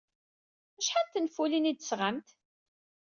Acḥal n tenfulin ay d-tesɣamt?